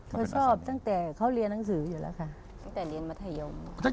เขาชอบตั้งแต่เขาเรียนหนังสืออยู่แล้วค่ะ